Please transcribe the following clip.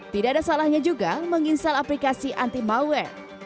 tidak ada salahnya juga menginstal aplikasi anti malware